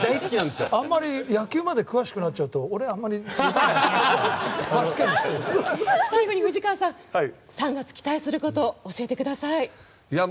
野球まで詳しくなっちゃうと最後に藤川さん３月、期待することを教えてください。